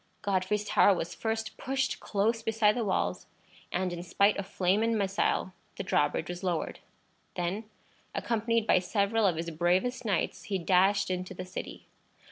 Godfrey's tower was first pushed close beside the walls, and in spite of flame and missile the drawbridge was lowered. Then, accompanied by several of his bravest knights, he dashed into the city.